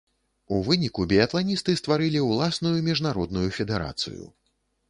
У выніку біятланісты стварылі ўласную міжнародную федэрацыю.